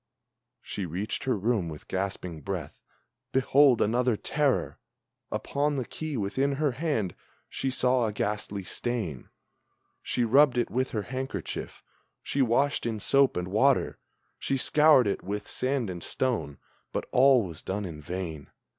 She reached her room with gasping breath, behold, another terror! Upon the key within her hand; she saw a ghastly stain; She rubbed it with her handkerchief, she washed in soap and water, She scoured it with sand and stone, but all was done in vain!